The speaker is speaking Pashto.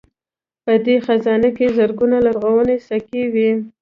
په دې خزانه کې زرګونه لرغونې سکې وې